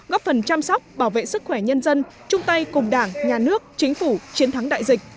góp phần chăm sóc bảo vệ sức khỏe nhân dân chung tay cùng đảng nhà nước chính phủ chiến thắng đại dịch